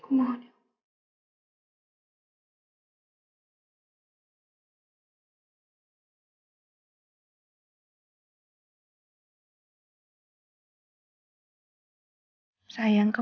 kepada orang orang yang menjajang asgara